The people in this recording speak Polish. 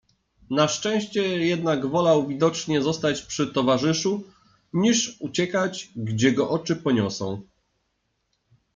Na szczęście jednak wolał widocznie zostać przy towarzyszu, niż uciekać, gdzie go oczy poniosą.